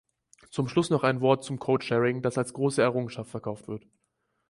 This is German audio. Zum Schluss noch ein Wort zum Codesharing, das als große Errungenschaft verkauft wird.